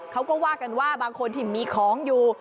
เขาก็ว่ากันว่าบางคนที่มีของอยู่